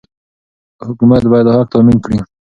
حکومت باید دا حق تامین کړي.